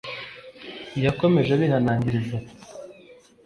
yakomeje abihanangiriza ati